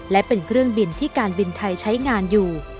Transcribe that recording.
และเป็นเครื่องบินที่การบินไทยใช้งานอยู่